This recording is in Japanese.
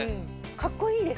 かっこいいです。